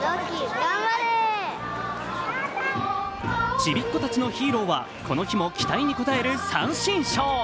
ちびっこたちのヒーローはこの日も期待に応える三振ショー。